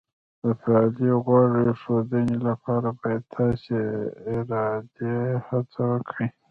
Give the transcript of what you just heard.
د فعالې غوږ ایښودنې لپاره باید تاسې ارادي هڅه وکړئ